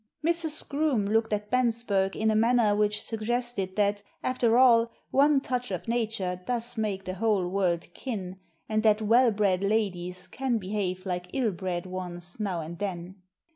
Mrs. Groome looked at Bensberg in a manner which suggested that, after all, one touch of nature does make the whole world kin, and that well bred ladies can behave like ill bred ones now and then.